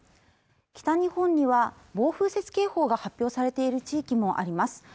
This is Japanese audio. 北日本には暴風雪警報が発表されている地域もあります